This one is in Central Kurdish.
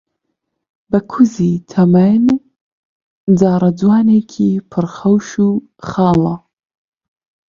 بەکووزی تەمەن جاڕەجوانێکی پڕ خەوش و خاڵە،